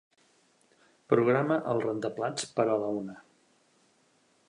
Programa el rentaplats per a la una.